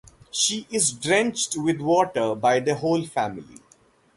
She is drenched with water by the whole family.